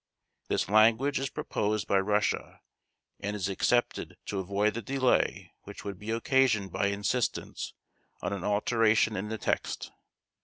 This language is proposed by Russia and is accepted to avoid the delay which would be occasioned by insistence on an alteration in the text.